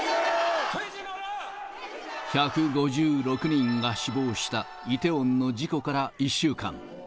１５６人が死亡したイテウォンの事故から１週間。